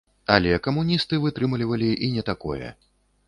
Але камуністы вытрымлівалі і не такое.